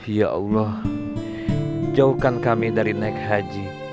ya allah jauhkan kami dari naik haji